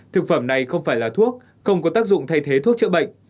thực phẩm này không phải là thuốc không có tác dụng thay thế thuốc chữa bệnh